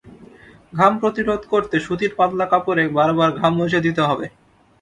ঘাম প্রতিরোধ করতে সুতির পাতলা কাপড়ে বারবার ঘাম মুছে দিতে হবে।